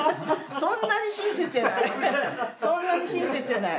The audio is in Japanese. そんなに親切じゃない。